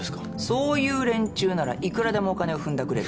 そういう連中ならいくらでもお金をふんだくれる。